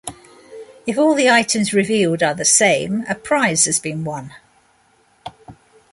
If all the items revealed are the same, a prize has been won.